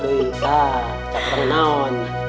kak jangan kemana mana